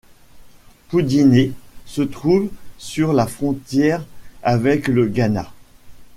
Poudiéné se trouve sur la frontière avec le Ghana.